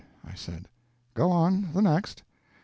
I said. "Go on, the next."